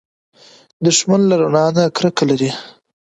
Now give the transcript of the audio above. دښمن له رڼا نه کرکه لري